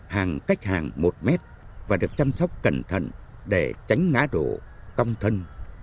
hàng cách hàng một mét và được chăm sóc cẩn thận để tránh ngã đổ cong thân